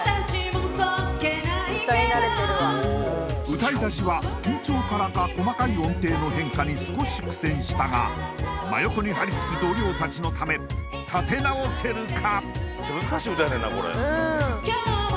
歌い出しは緊張からか細かい音程の変化に少し苦戦したが真横に張りつく同僚たちのために立て直せるか？